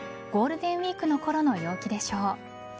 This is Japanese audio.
ゴールデンウイークのころの陽気でしょう。